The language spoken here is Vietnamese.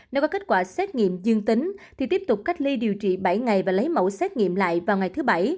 nếu có kết quả xét nghiệm dương tính thì tiếp tục cách ly điều trị bảy ngày và lấy mẫu xét nghiệm lại vào ngày thứ bảy